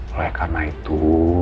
oleh karena itu